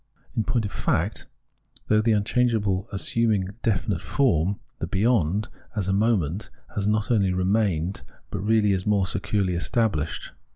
In point of fact, through the unchangeable assuming a definite form, the ' beyond,' as a moment, has not only remained, but really is more securely estabhshed.